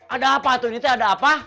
ada apa tuh ini teh ada apa